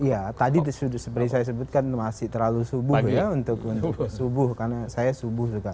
ya tadi seperti saya sebutkan masih terlalu subuh ya untuk subuh karena saya subuh juga